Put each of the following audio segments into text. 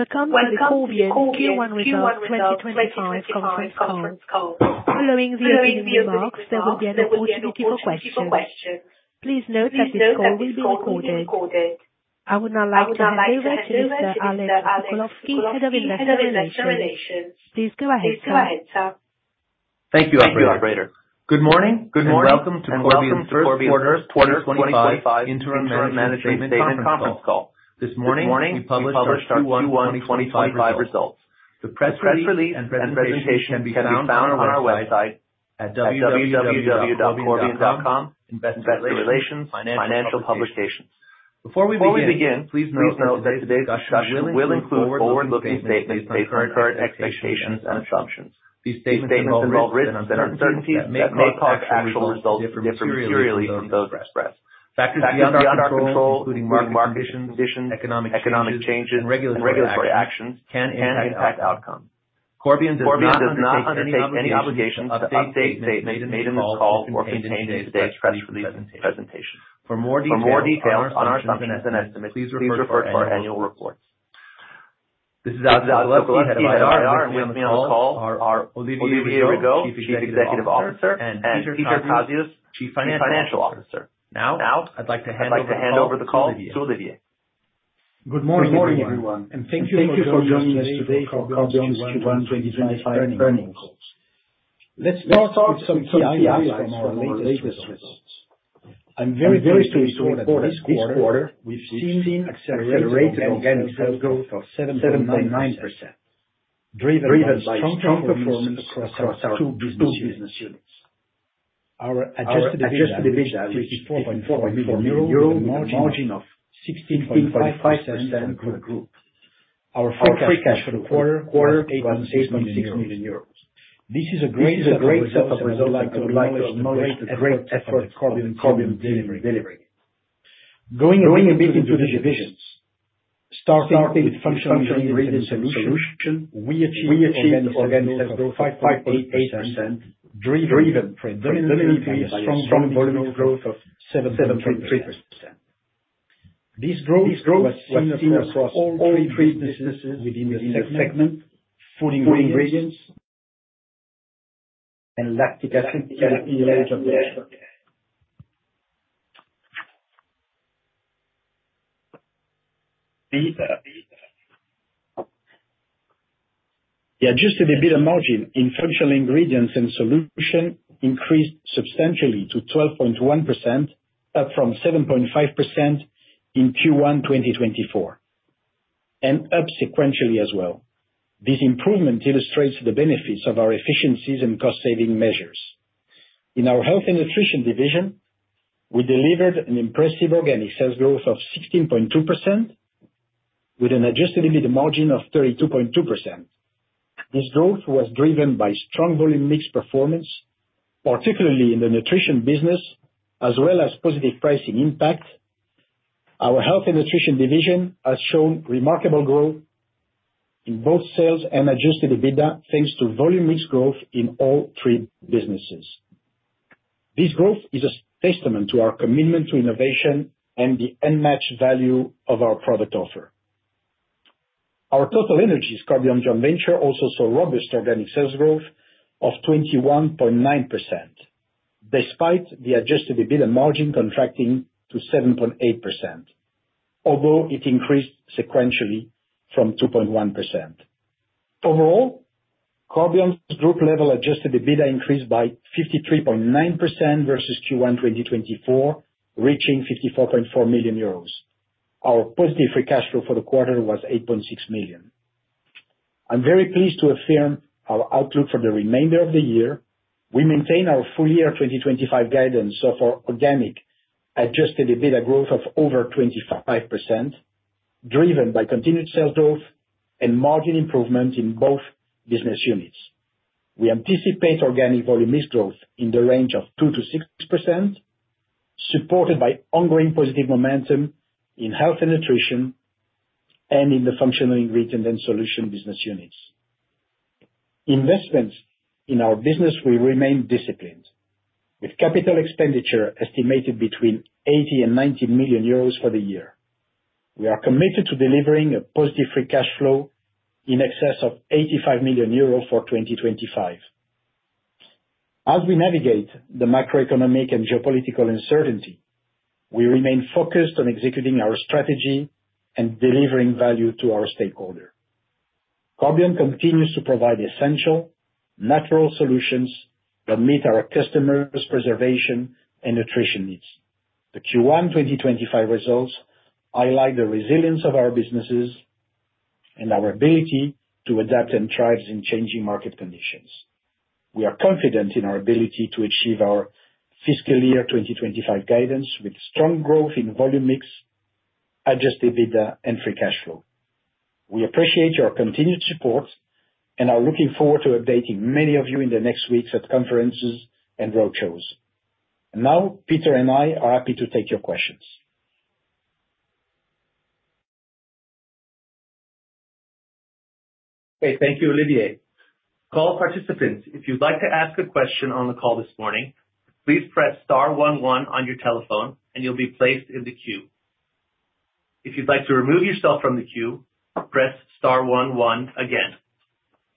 Welcome to the Corbion Q1 Results 2025 Conference Call. Following the opening remarks, there will be an opportunity for questions. Please note that this call will be recorded. I would now like to give the floor to Mr. Alex Sokolowski, Head of Investor Relations. Please go ahead. Thank you, Operator. Good morning. Welcome to Corbion's first quarter 2025 Interim Management Statement Conference Call. This morning, we published our Q1 Results. The press release and presentation can be found on our website at www.corbion.com, Investor Relations, Financial Publications. Before we begin, please note that today's discussion will include forward-looking statements based on current expectations and assumptions. These statements involve risks and uncertainties that may cause actual results to differ materially from those expressed. Factors beyond our control, including market conditions, economic changes, and regulatory actions, can impact outcomes. Corbion does not undertake any obligations to update statements made in this call or contained in today's press release and presentation. For more details on our assumptions and estimates, please refer to our annual reports. This is Alex Sokolowski, Head of Investor Relations, Olivier Rigaud, Chief Executive Officer, and Peter Kazius, Chief Financial Officer. Now, I'd like to hand over the call to Olivier. Good morning, everyone, and thank you for joining us today for Corbion's Q1 2025 earnings call. Let's start with some key aspects from our latest results. I'm very pleased to report that this quarter, we've seen an accelerated organic sales growth of 7.9%, driven by strong performance across our two business units. Our adjusted EBITDA is 14.4 million euros, a margin of 16.5% per group. Our free cash flow quarter is 8.6 million euros. This is a great set of results that would likely accommodate a great effort in Corbion's delivery. Going a bit into the divisions, starting with Functional Ingredients and Solutions, we achieved an organic sales growth of 5.88%, driven by a strong volume growth of 7.3%. This growth was seen across all three businesses within the same segment: food ingredients and lactic acid in the [age of the shop]. The adjusted EBITDA margin in Functional Ingredients and Solutions increased substantially to 12.1%, up from 7.5% in Q1 2024, and up sequentially as well. This improvement illustrates the benefits of our efficiencies and cost-saving measures. In our Health and Nutrition division, we delivered an impressive organic sales growth of 16.2%, with an adjusted EBITDA margin of 32.2%. This growth was driven by strong volume mix performance, particularly in the Nutrition business, as well as positive pricing impact. Our Health and Nutrition division has shown remarkable growth in both sales and adjusted EBITDA, thanks to volume mix growth in all three businesses. This growth is a testament to our commitment to innovation and the unmatched value of our product offer. Our Total Corbion PLA joint venture also saw robust organic sales growth of 21.9%, despite the adjusted EBITDA margin contracting to 7.8%, although it increased sequentially from 2.1%. Overall, Corbion's group-level adjusted EBITDA increased by 53.9% versus Q1 2024, reaching 54.4 million euros. Our positive free cash flow for the quarter was 8.6 million. I'm very pleased to affirm our outlook for the remainder of the year. We maintain our full year 2025 guidance for organic adjusted EBITDA growth of over 25%, driven by continued sales growth and margin improvement in both business units. We anticipate organic volume mix growth in the range of 2%-6%, supported by ongoing positive momentum in Health and Nutrition and in the Functional Ingredients and Solutions business units. Investments in our business will remain disciplined, with capital expenditure estimated between 80 million-90 million euros for the year. We are committed to delivering a positive free cash flow in excess of 85 million euro for 2025. As we navigate the macroeconomic and geopolitical uncertainty, we remain focused on executing our strategy and delivering value to our stakeholders. Corbion continues to provide essential, natural solutions that meet our customers' preservation and nutrition needs. The Q1 2025 results highlight the resilience of our businesses and our ability to adapt and thrive in changing market conditions. We are confident in our ability to achieve our fiscal year 2025 guidance with strong growth in volume mix, adjusted EBITDA, and free cash flow. We appreciate your continued support and are looking forward to updating many of you in the next weeks at conferences and roadshows. Now, Peter and I are happy to take your questions. Okay, thank you, Olivier. Call participants, if you'd like to ask a question on the call this morning, please press star one one on your telephone, and you'll be placed in the queue. If you'd like to remove yourself from the queue, press star one one again.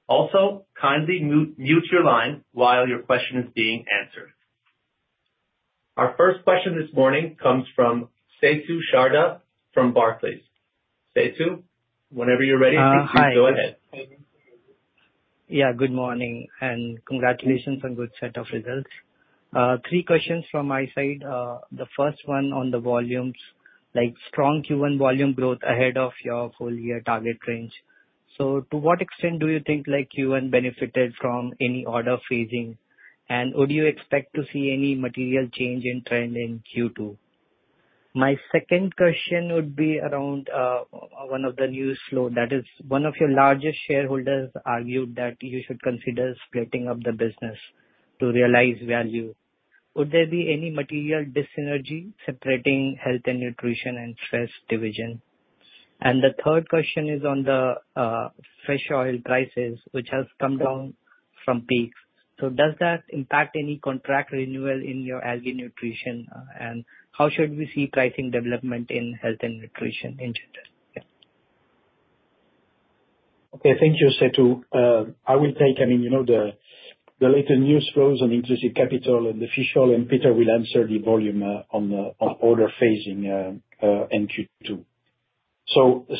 Also, kindly mute your line while your question is being answered. Our first question this morning comes from Setu Sharda from Barclays. Setu, whenever you're ready, please go ahead. Yeah, good morning, and congratulations on a good set of results. Three questions from my side. The first one on the volumes, like strong Q1 volume growth ahead of your full year target range. To what extent do you think Q1 benefited from any order phasing, and would you expect to see any material change in trend in Q2? My second question would be around one of the news flows. That is, one of your largest shareholders argued that you should consider splitting up the business to realize value. Would there be any material dyssynergy separating Health and Nutrition and FIS division? The third question is on the fish oil prices, which have come down from peaks. Does that impact any contract renewal in your algae nutrition, and how should we see pricing development in Health and Nutrition in general? Okay, thank you, Setu. I will take, I mean, you know, the latest news flows on Inclusive Capital and the fish oil, and Peter will answer the volume on order phasing in Q2.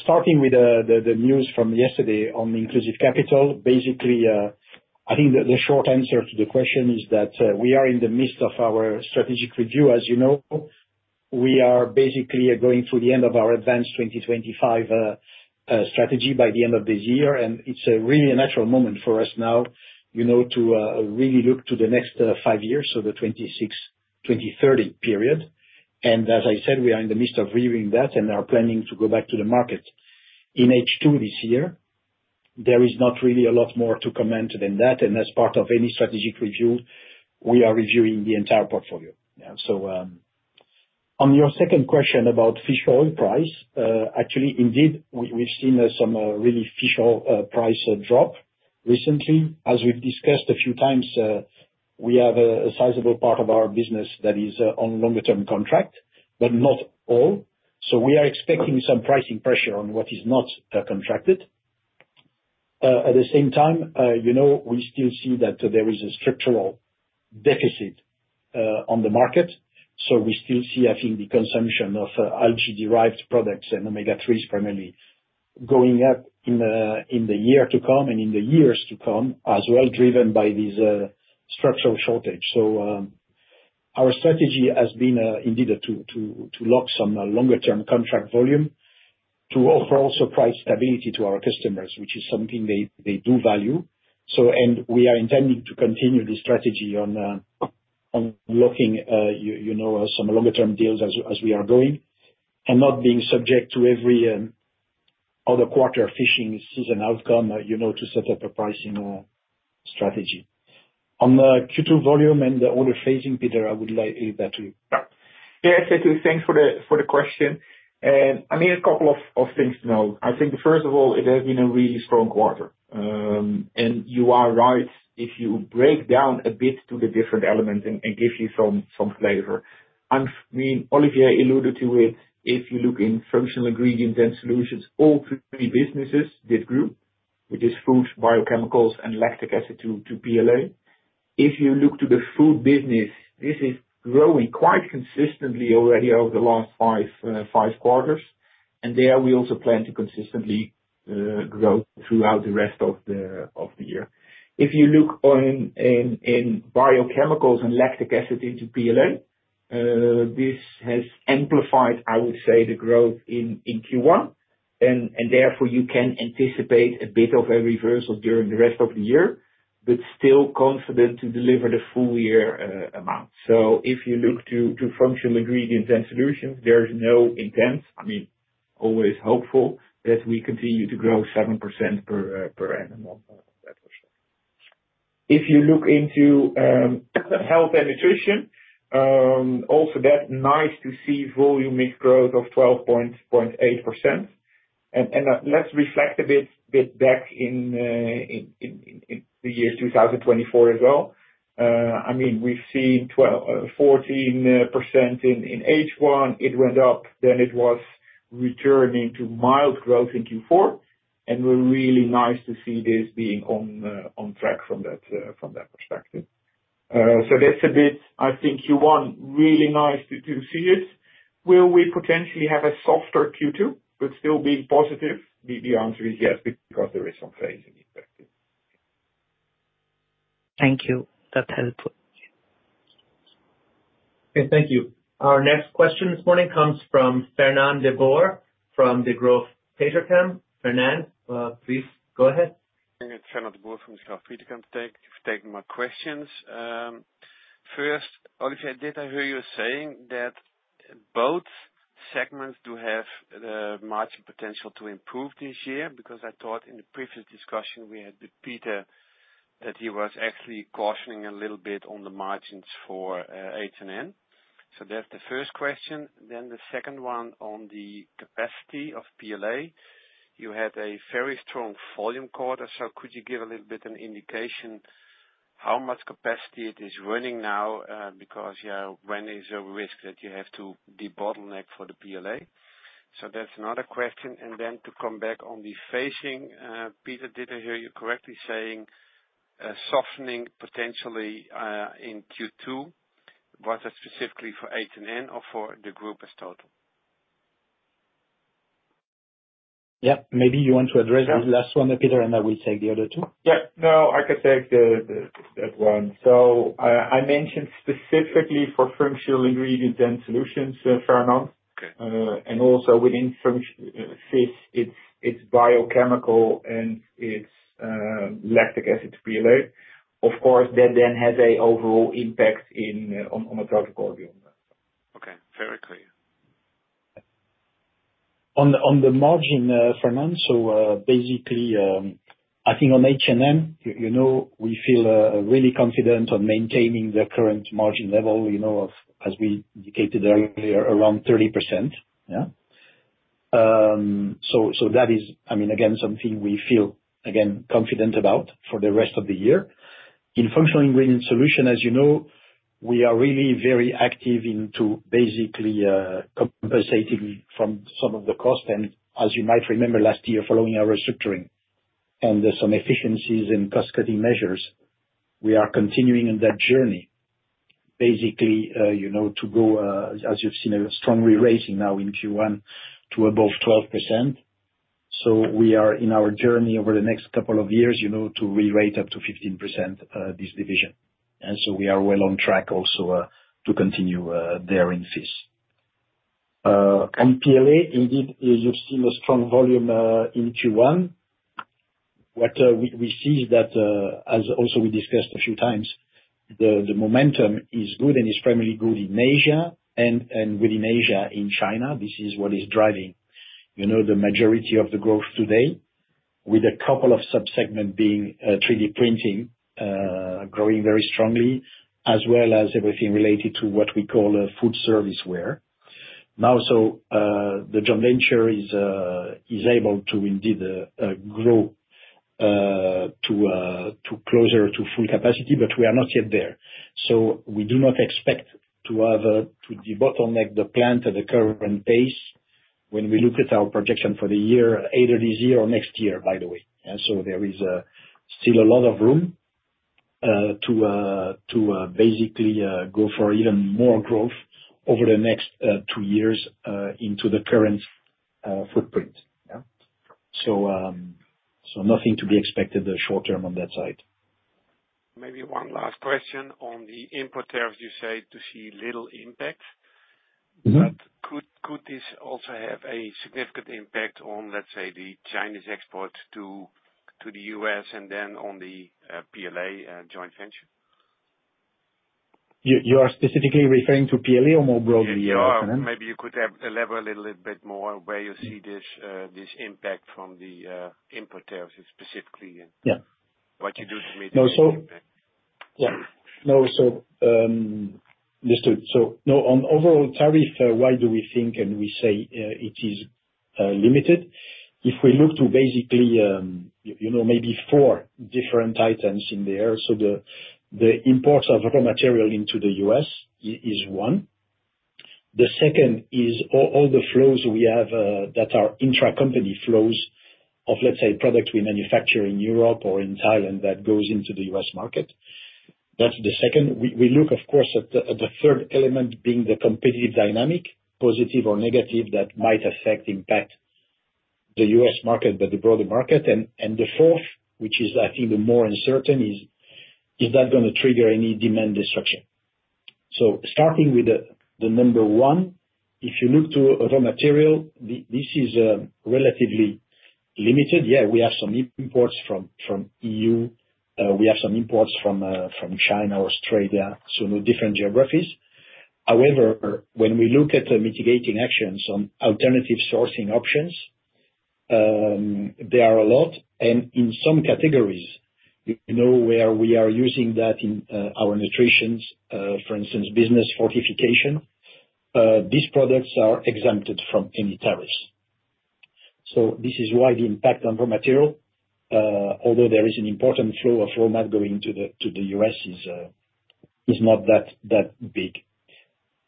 Starting with the news from yesterday on Inclusive Capital, basically, I think the short answer to the question is that we are in the midst of our strategic review. As you know, we are basically going through the end of our Advance 2025 strategy by the end of this year, and it's really a natural moment for us now, you know, to really look to the next five years, so the 2026-2030 period. As I said, we are in the midst of reviewing that and are planning to go back to the market in H2 this year. There is not really a lot more to comment than that, and as part of any strategic review, we are reviewing the entire portfolio. On your second question about fish oil price, actually, indeed, we've seen some real fish oil price drop recently. As we've discussed a few times, we have a sizable part of our business that is on longer-term contract, but not all. We are expecting some pricing pressure on what is not contracted. At the same time, you know, we still see that there is a structural deficit on the market. We still see, I think, the consumption of algae-derived products and omega-3s primarily going up in the year to come and in the years to come, as well driven by this structural shortage. Our strategy has been indeed to lock some longer-term contract volume to offer also price stability to our customers, which is something they do value. We are intending to continue the strategy on locking, you know, some longer-term deals as we are going and not being subject to every other quarter fishing season outcome, you know, to set up a pricing strategy. On the Q2 volume and the order phasing, Peter, I would like to. Yeah, Setu, thanks for the question. I mean, a couple of things to know. I think, first of all, it has been a really strong quarter. You are right, if you break down a bit to the different elements and give you some flavor. I mean, Olivier alluded to it. If you look in Functional Ingredients and Solutions, all three businesses did grow, which is food, biochemicals, and lactic acid to PLA. If you look to the food business, this is growing quite consistently already over the last five quarters. There we also plan to consistently grow throughout the rest of the year. If you look in biochemicals and lactic acid into PLA, this has amplified, I would say, the growth in Q1. Therefore, you can anticipate a bit of a reversal during the rest of the year, but still confident to deliver the full year amount. If you look to Functional Ingredients and Solutions, there is no intent. I mean, always hopeful that we continue to grow 7% per annum. If you look into Health and Nutrition, also that nice-to-see volume mix growth of 12.8%. Let's reflect a bit back in the year 2024 as well. I mean, we have seen 14% in H1. It went up, then it was returning to mild growth in Q4. It is really nice to see this being on track from that perspective. That is a bit, I think, Q1, really nice to see it. Will we potentially have a softer Q2, but still being positive? The answer is yes, because there is some phasing effect. Thank you. That's helpful. Okay, thank you. Our next question this morning comes from Fernand de Boer from Degroof Petercam. Fernand, please go ahead. Fernand de Boer from Degroof Petercam today to take my questions. First, Olivier, did I hear you saying that both segments do have the margin potential to improve this year? Because I thought in the previous discussion we had with Peter that he was actually cautioning a little bit on the margins for H&N. That is the first question. The second one on the capacity of PLA, you had a very strong volume quarter. Could you give a little bit of an indication how much capacity it is running now? When is there a risk that you have to de-bottleneck for the PLA? That is another question. To come back on the phasing, Peter, did I hear you correctly saying softening potentially in Q2? Was that specifically for H&N or for the group as total? Yeah, maybe you want to address this last one, Peter, and I will take the other two. Yeah, no, I could take that one. I mentioned specifically for Functional Ingredients and Solutions, Fernand, and also within FIS, it's biochemicals and it's lactic acid to PLA. Of course, that then has an overall impact on the total Corbion. Okay, very clear. On the margin, Fernand, so basically, I think on H&N, you know, we feel really confident on maintaining the current margin level, you know, as we indicated earlier, around 30%. Yeah. That is, I mean, again, something we feel, again, confident about for the rest of the year. In functional ingredients solution, as you know, we are really very active into basically compensating from some of the cost. As you might remember, last year, following our restructuring and some efficiencies and cost-cutting measures, we are continuing on that journey, basically, you know, to go, as you've seen, a strong re-rating now in Q1 to above 12%. We are in our journey over the next couple of years, you know, to re-rate up to 15% this division. We are well on track also to continue there in FIS. On PLA, indeed, you've seen a strong volume in Q1. What we see is that, as also we discussed a few times, the momentum is good and is primarily good in Asia and within Asia, in China. This is what is driving, you know, the majority of the growth today, with a couple of subsegments being 3D printing, growing very strongly, as well as everything related to what we call food serviceware. Now, the joint venture share is able to indeed grow to closer to full capacity, but we are not yet there. We do not expect to have to de-bottleneck the plant at the current pace when we look at our projection for the year, either this year or next year, by the way. There is still a lot of room to basically go for even more growth over the next two years into the current footprint. Nothing to be expected short-term on that side. Maybe one last question on the input tariffs, you say to see little impact. Could this also have a significant impact on, let's say, the Chinese export to the US and then on the PLA joint venture? You are specifically referring to PLA or more broadly? Yeah, maybe you could elaborate a little bit more where you see this impact from the input tariffs specifically and what you do to mitigate the impact. Yeah, no, so listen, so no, on overall tariff, why do we think and we say it is limited? If we look to basically, you know, maybe four different items in there. The import of raw material into the US is one. The second is all the flows we have that are intra-company flows of, let's say, products we manufacture in Europe or in Thailand that goes into the US market. That's the second. We look, of course, at the third element being the competitive dynamic, positive or negative, that might affect impact the US market, but the broader market. The fourth, which is, I think, the more uncertain, is that going to trigger any demand destruction? Starting with the number one, if you look to raw material, this is relatively limited. Yeah, we have some imports from EU. We have some imports from China or Australia, so different geographies. However, when we look at mitigating actions on alternative sourcing options, there are a lot. And in some categories, you know, where we are using that in our nutritions, for instance, business fortification, these products are exempted from any tariffs. This is why the impact on raw material, although there is an important flow of raw material going to the U.S., is not that big.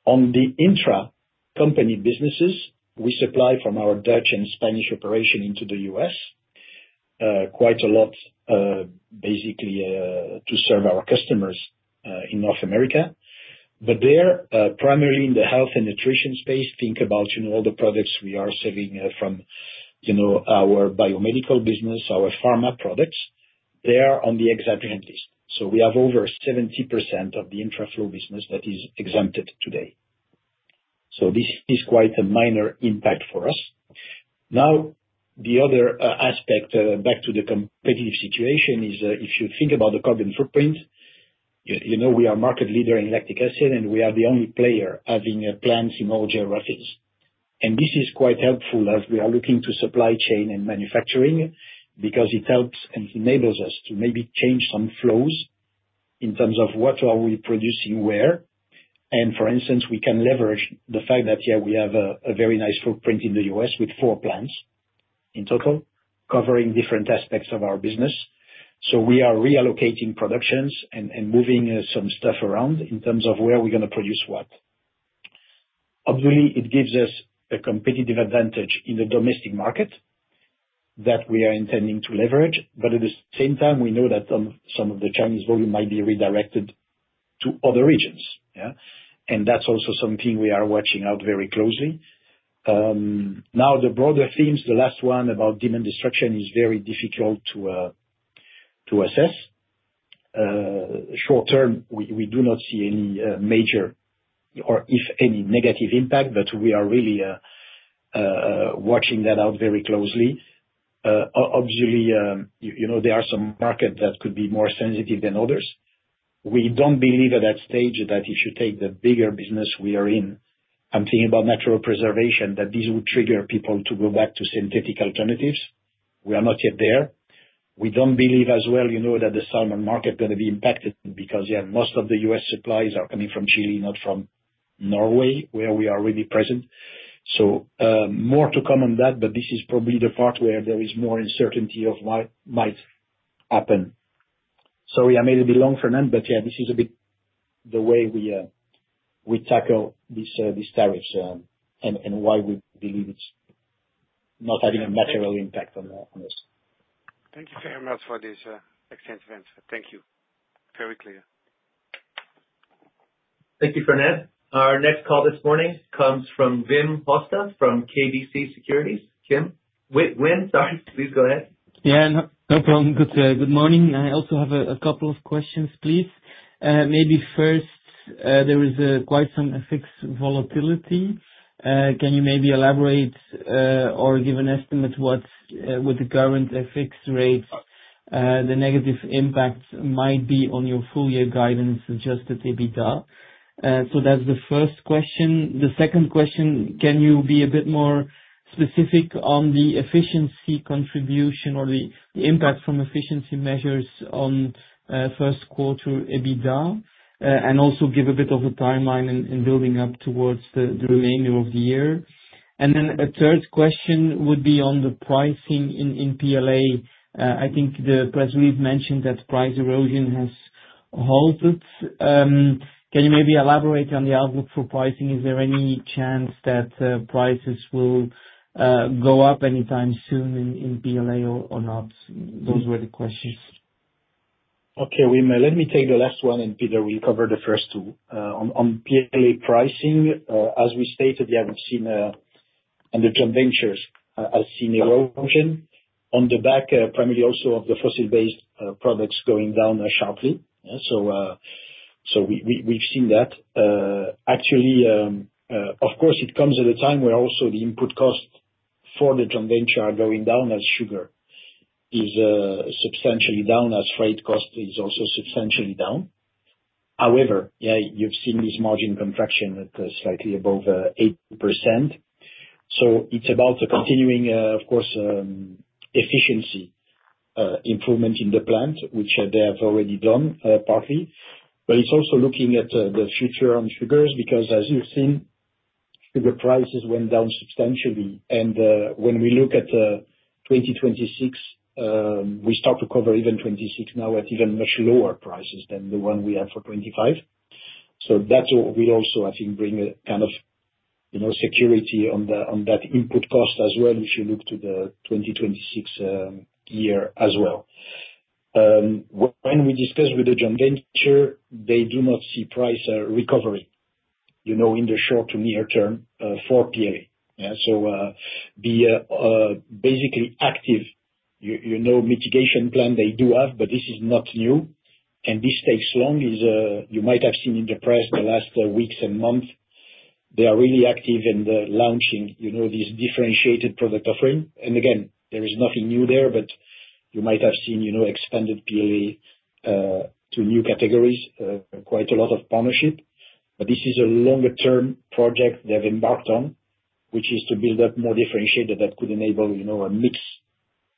On the intra-company businesses, we supply from our Dutch and Spanish operation into the U.S. quite a lot, basically to serve our customers in North America. There, primarily in the Health and Nutrition space, think about, you know, all the products we are serving from, you know, our biomedical business, our pharma products. They are on the exemption list. We have over 70% of the intra-flow business that is exempted today. This is quite a minor impact for us. Now, the other aspect back to the competitive situation is if you think about the carbon footprint, you know, we are market leader in lactic acid, and we are the only player having plants in all geographies. This is quite helpful as we are looking to supply chain and manufacturing because it helps and enables us to maybe change some flows in terms of what are we producing where. For instance, we can leverage the fact that, yeah, we have a very nice footprint in the US with four plants in total covering different aspects of our business. We are reallocating productions and moving some stuff around in terms of where we're going to produce what. Obviously, it gives us a competitive advantage in the domestic market that we are intending to leverage. At the same time, we know that some of the Chinese volume might be redirected to other regions. Yeah. That is also something we are watching out very closely. Now, the broader themes, the last one about demand destruction is very difficult to assess. Short-term, we do not see any major or, if any, negative impact, but we are really watching that out very closely. Obviously, you know, there are some markets that could be more sensitive than others. We do not believe at that stage that if you take the bigger business we are in, I am thinking about natural preservation, that this would trigger people to go back to synthetic alternatives. We are not yet there. We don't believe as well, you know, that the salmon market is going to be impacted because, yeah, most of the US supplies are coming from Chile, not from Norway, where we are already present. More to come on that, but this is probably the part where there is more uncertainty of what might happen. Sorry, I made it a bit long for an end, but yeah, this is a bit the way we tackle these tariffs and why we believe it's not having a material impact on this. Thank you very much for this extensive answer. Thank you. Very clear. Thank you, Fernand. Our next call this morning comes from Wim Hoste from KBC Securities. Wim, sorry, please go ahead. Yeah, no problem. Good morning. I also have a couple of questions, please. Maybe first, there is quite some FX volatility. Can you maybe elaborate or give an estimate what the current FX rate, the negative impact might be on your full year guidance adjusted EBITDA? That is the first question. The second question, can you be a bit more specific on the efficiency contribution or the impact from efficiency measures on first quarter EBITDA and also give a bit of a timeline in building up towards the remainder of the year? A third question would be on the pricing in PLA. I think the press read mentioned that price erosion has halted. Can you maybe elaborate on the outlook for pricing? Is there any chance that prices will go up anytime soon in PLA or not? Those were the questions. Okay, Wim, let me take the last one and Peter will cover the first two. On PLA pricing, as we stated, yeah, we've seen on the joint ventures, I've seen erosion on the back primarily also of the fossil-based products going down sharply. So we've seen that. Actually, of course, it comes at a time where also the input cost for the joint venture are going down as sugar is substantially down as freight cost is also substantially down. However, yeah, you've seen this margin contraction at slightly above 8%. It is about the continuing, of course, efficiency improvement in the plant, which they have already done partly. It is also looking at the future on sugars because, as you've seen, sugar prices went down substantially. When we look at 2026, we start to cover even 2026 now at even much lower prices than the one we have for 2025. That will also, I think, bring a kind of, you know, security on that input cost as well if you look to the 2026 year as well. When we discuss with the joint venture, they do not see price recovery, you know, in the short to near term for PLA. Yeah. The basically active, you know, mitigation plan they do have, but this is not new. This takes long as you might have seen in the press the last weeks and months. They are really active in launching, you know, this differentiated product offering. Again, there is nothing new there, but you might have seen, you know, expanded PLA to new categories, quite a lot of partnership. This is a longer-term project they have embarked on, which is to build up more differentiated that could enable, you know, a mix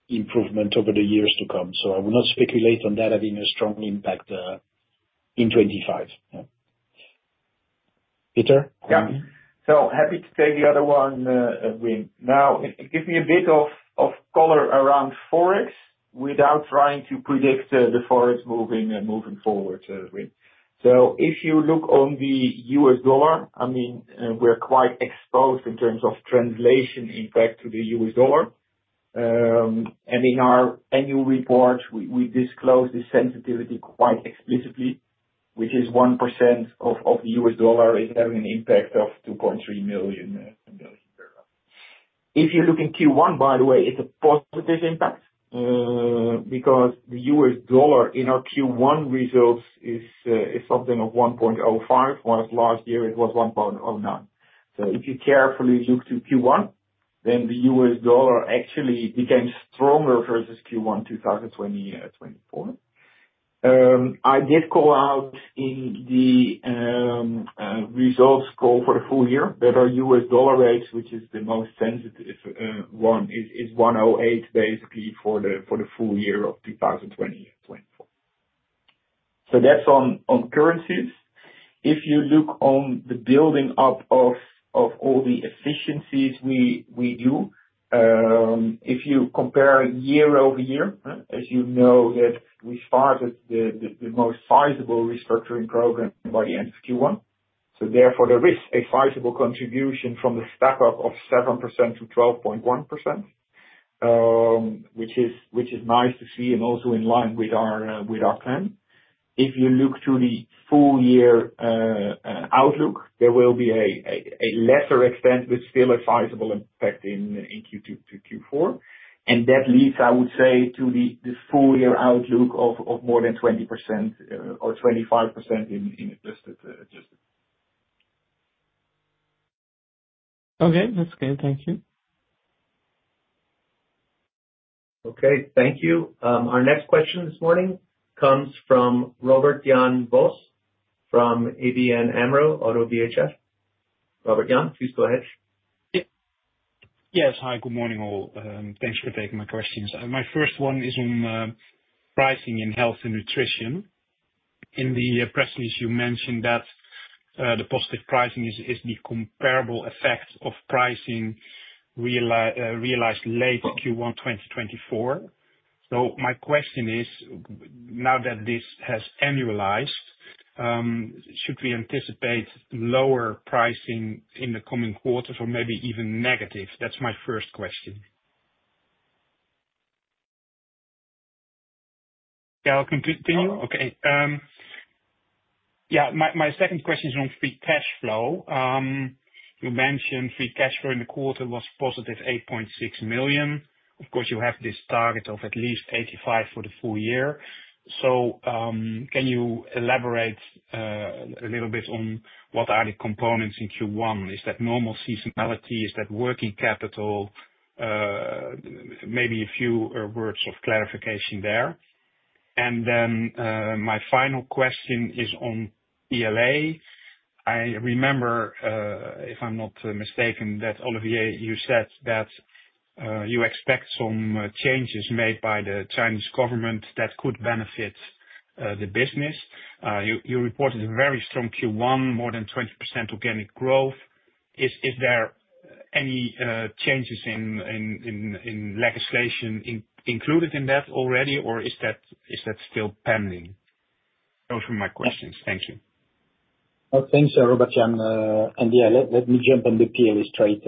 improvement over the years to come. I will not speculate on that having a strong impact in 2025. Peter? Yeah. Happy to take the other one, Wim. Now, give me a bit of color around forex without trying to predict the forex moving forward, Wim. If you look on the US dollar, I mean, we're quite exposed in terms of translation impact to the US dollar. In our annual report, we disclose the sensitivity quite explicitly, which is 1% of the US dollar is having an impact of 2.3 million. If you look in Q1, by the way, it's a positive impact because the US dollar in our Q1 results is something of 1.05, whereas last year it was 1.09. If you carefully look to Q1, then the US dollar actually became stronger versus Q1 2024. I did call out in the results call for the full year that our US dollar rates, which is the most sensitive one, is $1.08 basically for the full year of 2024. That is on currencies. If you look on the building up of all the efficiencies we do, if you compare year over year, as you know that we started the most sizable restructuring program by the end of Q1. Therefore, there is a sizable contribution from the stack-up of 7%-12.1%, which is nice to see and also in line with our plan. If you look to the full year outlook, there will be a lesser extent, but still a sizable impact in Q2-Q4. That leads, I would say, to the full year outlook of more than 20% or 25% in adjusted. Okay. That's good. Thank you. Okay. Thank you. Our next question this morning comes from Robert Jan Vos from ABN AMRO ODDO BHF. Robert Jan, please go ahead. Yes. Hi, good morning all. Thanks for taking my questions. My first one is on pricing in Health and Nutrition. In the press release, you mentioned that the positive pricing is the comparable effect of pricing realized late Q1 2024. My question is, now that this has annualized, should we anticipate lower pricing in the coming quarters or maybe even negative? That's my first question. Yeah, I'll continue. Okay. My second question is on free cash flow. You mentioned free cash flow in the quarter was €8.6 million. Of course, you have this target of at least €85 million for the full year. Can you elaborate a little bit on what are the components in Q1? Is that normal seasonality? Is that working capital? Maybe a few words of clarification there. My final question is on PLA. I remember, if I'm not mistaken, that Olivier, you said that you expect some changes made by the Chinese government that could benefit the business. You reported a very strong Q1, more than 20% organic growth. Is there any changes in legislation included in that already, or is that still pending? Those were my questions. Thank you. Thanks, Robert Jan. Yeah, let me jump on the PLA straight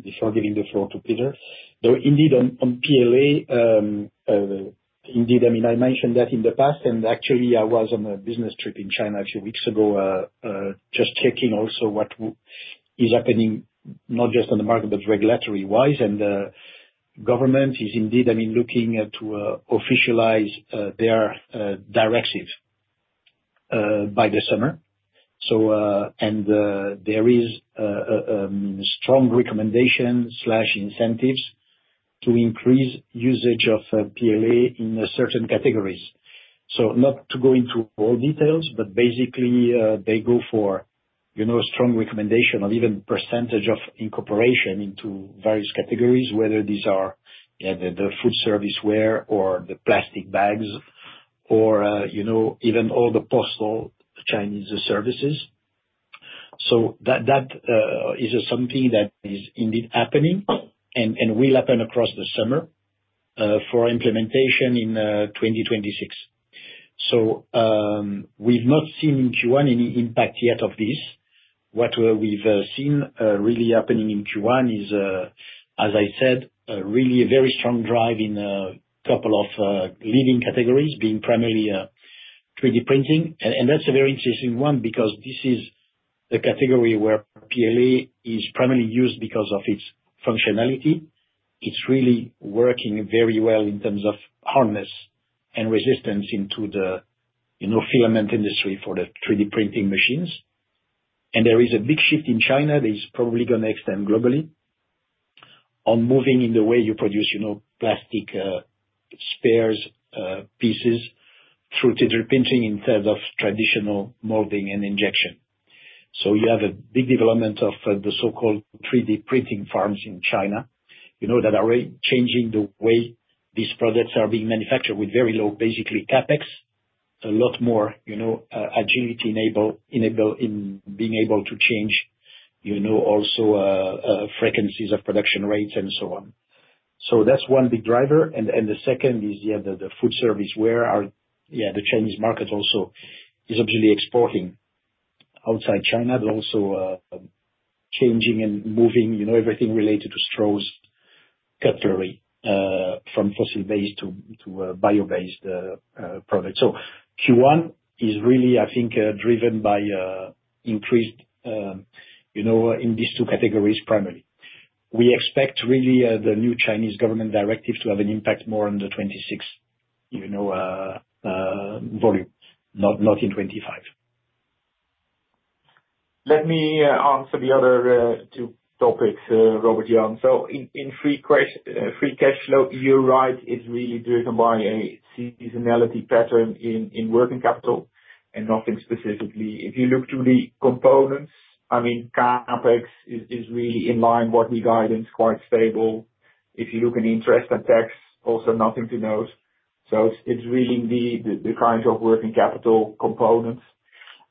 before giving the floor to Peter. Indeed, on PLA, I mean, I mentioned that in the past, and actually, I was on a business trip in China a few weeks ago just checking also what is happening not just on the market, but regulatory-wise. The government is indeed, I mean, looking to officialize their directive by the summer. There is a strong recommendation/incentives to increase usage of PLA in certain categories. Not to go into all details, but basically, they go for, you know, a strong recommendation of even percentage of incorporation into various categories, whether these are the food serviceware or the plastic bags or, you know, even all the postal Chinese services. That is something that is indeed happening and will happen across the summer for implementation in 2026. We have not seen in Q1 any impact yet of this. What we have seen really happening in Q1 is, as I said, really a very strong drive in a couple of leading categories being primarily 3D printing. That is a very interesting one because this is a category where PLA is primarily used because of its functionality. It is really working very well in terms of harness and resistance into the, you know, filament industry for the 3D printing machines. There is a big shift in China that is probably going to extend globally on moving in the way you produce, you know, plastic spares pieces through 3D printing instead of traditional molding and injection. You have a big development of the so-called 3D printing farms in China, you know, that are changing the way these products are being manufactured with very low, basically CapEx, a lot more, you know, agility enabled in being able to change, you know, also frequencies of production rates and so on. That is one big driver. The second is, yeah, the food serviceware are, yeah, the Chinese market also is obviously exporting outside China, but also changing and moving, you know, everything related to straws, cutlery from fossil-based to bio-based products. Q1 is really, I think, driven by increased, you know, in these two categories primarily. We expect really the new Chinese government directive to have an impact more on the 2026, you know, volume, not in 2025. Let me answer the other two topics, Robert Jan. In free cash flow, you're right, it's really driven by a seasonality pattern in working capital and nothing specifically. If you look to the components, I mean, CapEx is really in line, what we guidance, quite stable. If you look in interest and tax, also nothing to note. It's really the kind of working capital components.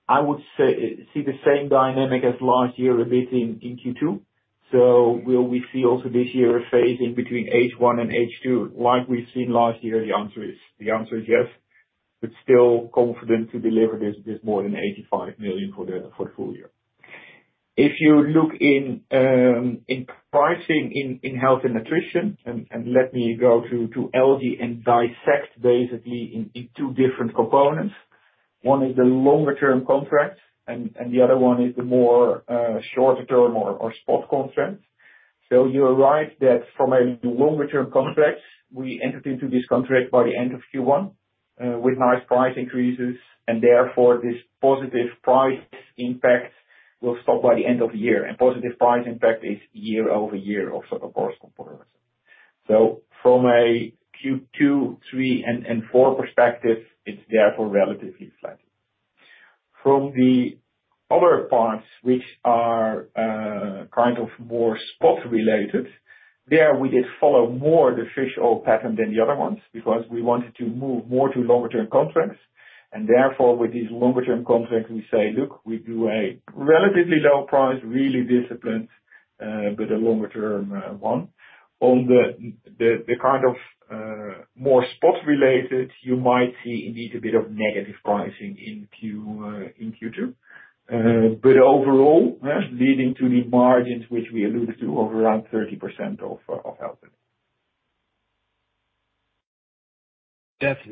I would see the same dynamic as last year a bit in Q2. Will we see also this year a phase in between H1 and H2 like we've seen last year? The answer is yes, but still confident to deliver this more than 85 million for the full year. If you look in pricing in Health and Nutrition, and let me go to Algae and dissect basically in two different components. One is the longer-term contract, and the other one is the more shorter-term or spot contract. You're right that from a longer-term contract, we entered into this contract by the end of Q1 with nice price increases, and therefore this positive price impact will stop by the end of the year. Positive price impact is year over year of sort of base components. From a Q2, 3, and 4 perspective, it's therefore relatively flat. From the other parts, which are kind of more spot related, there we did follow more the fish oil pattern than the other ones because we wanted to move more to longer-term contracts. Therefore, with these longer-term contracts, we say, look, we do a relatively low price, really disciplined, but a longer-term one. On the kind of more spot related, you might see indeed a bit of negative pricing in Q2, but overall, leading to the margins, which we alluded to, of around 30% of health.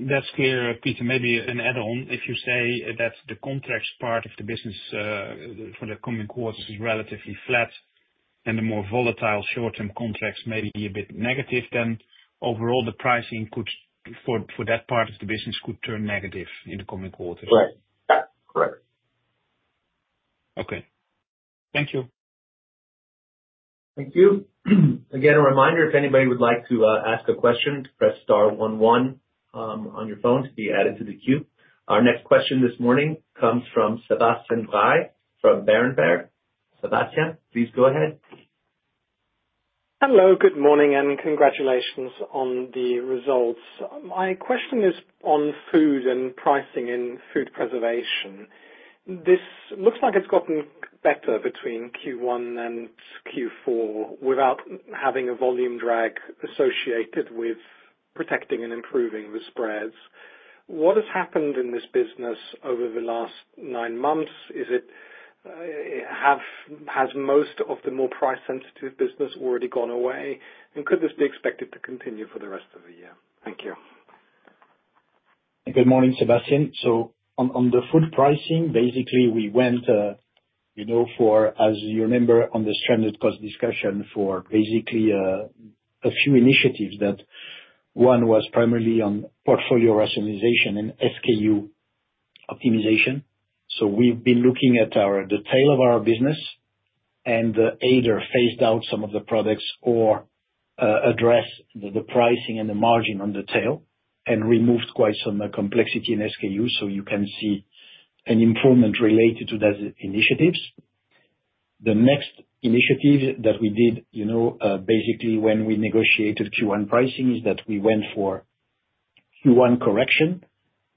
That's clear, Peter. Maybe an add-on, if you say that the contracts part of the business for the coming quarters is relatively flat and the more volatile short-term contracts may be a bit negative, then overall the pricing for that part of the business could turn negative in the coming quarters. Right. Yeah. Correct. Okay. Thank you. Thank you. Again, a reminder, if anybody would like to ask a question, press star one one on your phone to be added to the queue. Our next question this morning comes from Sebastian Bray from Berenberg. Sebastian, please go ahead. Hello, good morning, and congratulations on the results. My question is on food and pricing in food preservation. This looks like it's gotten better between Q1 and Q4 without having a volume drag associated with protecting and improving the spreads. What has happened in this business over the last nine months? Has most of the more price-sensitive business already gone away? Could this be expected to continue for the rest of the year? Thank you. Good morning, Sebastian. On the food pricing, basically, we went, you know, for, as you remember, on the stranded cost discussion for basically a few initiatives. One was primarily on portfolio rationalization and SKU optimization. We have been looking at the tail of our business and either phased out some of the products or addressed the pricing and the margin on the tail and removed quite some complexity in SKU, so you can see an improvement related to those initiatives. The next initiative that we did, you know, basically when we negotiated Q1 pricing, is that we went for Q1 correction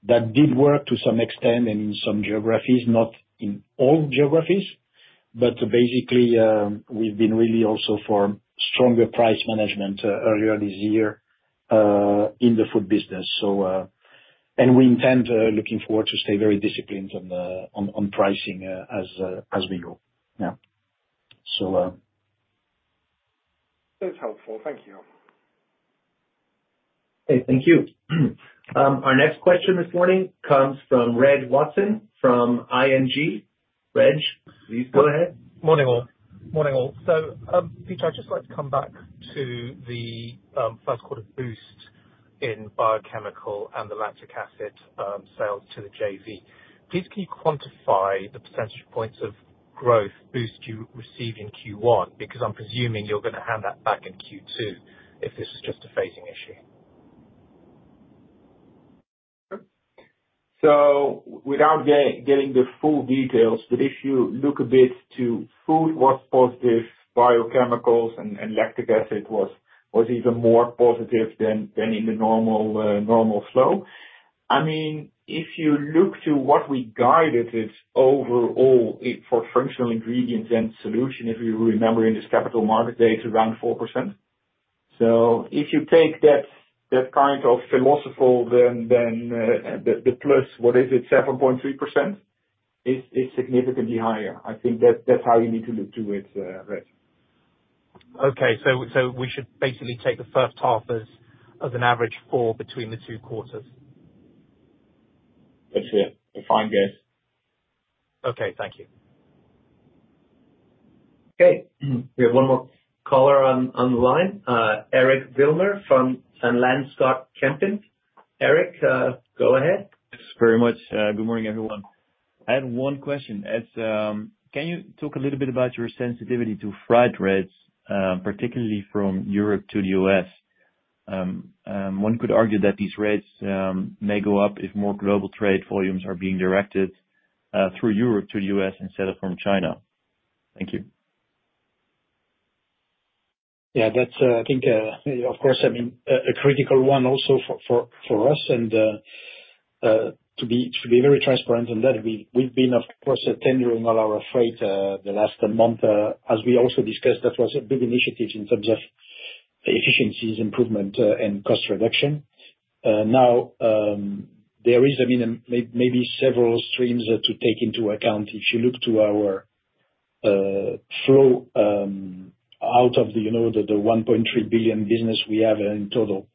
that did work to some extent and in some geographies, not in all geographies, but basically we have been really also for stronger price management earlier this year in the food business. We intend looking forward to stay very disciplined on pricing as we go. Yeah. So. That's helpful. Thank you. Okay. Thank you. Our next question this morning comes from Reg Watson from ING. Reg, please go ahead. Morning all. Morning all. Peter, I'd just like to come back to the first quarter boost in biochemical and the lactic acid sales to the JV. Please can you quantify the percentage points of growth boost you received in Q1 because I'm presuming you're going to hand that back in Q2 if this was just a phasing issue? Without getting the full details, but if you look a bit to food, what's positive, biochemicals and lactic acid was even more positive than in the normal flow. I mean, if you look to what we guided it overall for Functional Ingredients and Solutions, if you remember in this capital market, it's around 4%. If you take that kind of philosophical, then the plus, what is it, 7.3% is significantly higher. I think that's how you need to look to it, Reg. Okay. So we should basically take the first half as an average for between the two quarters? That's a fine guess. Okay. Thank you. Okay. We have one more caller on the line, [Erik Wilner] from [Stifel Nicolaus]. Eric, go ahead. Thanks very much. Good morning, everyone. I had one question. Can you talk a little bit about your sensitivity to flight rates, particularly from Europe to the US? One could argue that these rates may go up if more global trade volumes are being directed through Europe to the US instead of from China. Thank you. Yeah, that's, I think, of course, I mean, a critical one also for us. To be very transparent on that, we've been, of course, tendering all our freight the last month. As we also discussed, that was a big initiative in terms of efficiencies, improvement, and cost reduction. Now, there is, I mean, maybe several streams to take into account. If you look to our flow out of the, you know, the 1.3 billion business we have in total,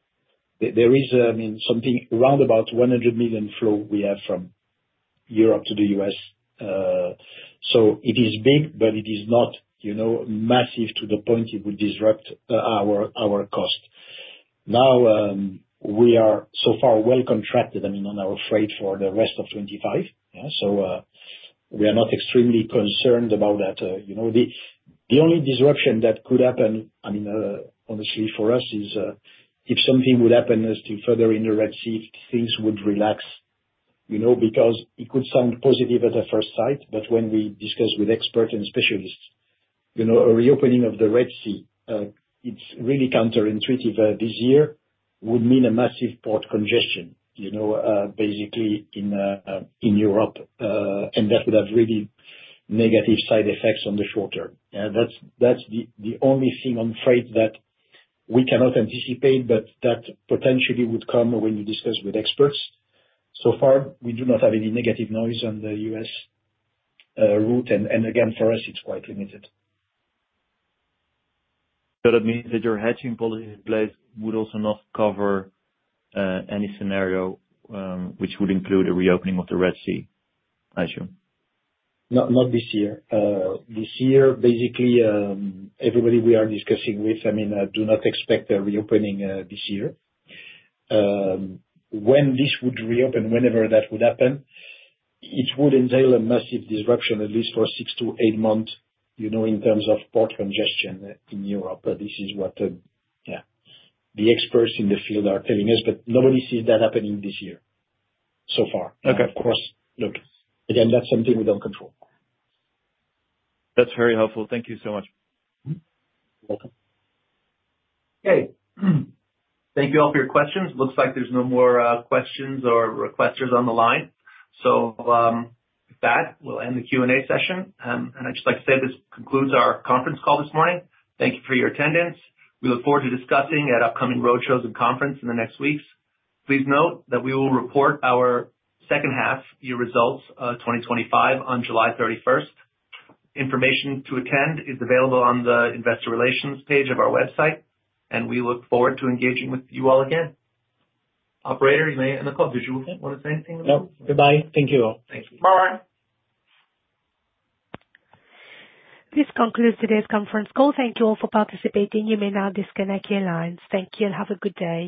there is, I mean, something around about 100 million flow we have from Europe to the US. It is big, but it is not, you know, massive to the point it would disrupt our cost. We are so far well contracted, I mean, on our freight for the rest of 2025. Yeah. We are not extremely concerned about that. You know, the only disruption that could happen, I mean, honestly, for us is if something would happen as to further in the Red Sea, things would relax, you know, because it could sound positive at the first sight, but when we discuss with experts and specialists, you know, a reopening of the Red Sea, it's really counterintuitive this year, would mean a massive port congestion, you know, basically in Europe, and that would have really negative side effects on the short term. Yeah. That's the only thing on freight that we cannot anticipate, but that potentially would come when you discuss with experts. So far, we do not have any negative noise on the US route. Again, for us, it's quite limited. That means that your hedging policy in place would also not cover any scenario which would include a reopening of the Red Sea, I assume? Not this year. This year, basically, everybody we are discussing with, I mean, do not expect a reopening this year. When this would reopen, whenever that would happen, it would entail a massive disruption, at least for six to eight months, you know, in terms of port congestion in Europe. This is what, yeah, the experts in the field are telling us, but nobody sees that happening this year so far. Of course, look, again, that's something we don't control. That's very helpful. Thank you so much. You're welcome. Okay. Thank you all for your questions. Looks like there's no more questions or requesters on the line. With that, we'll end the Q&A session. I'd just like to say this concludes our conference call this morning. Thank you for your attendance. We look forward to discussing at upcoming roadshows and conferences in the next weeks. Please note that we will report our second half year results of 2025 on July 31. Information to attend is available on the investor relations page of our website, and we look forward to engaging with you all again. Operator, you may end the call. Did you want to say anything? No. Goodbye. Thank you all. Thank you. Bye. This concludes today's conference call. Thank you all for participating. You may now disconnect your lines. Thank you and have a good day.